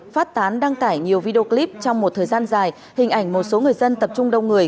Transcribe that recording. phát tán đăng tải nhiều video clip trong một thời gian dài hình ảnh một số người dân tập trung đông người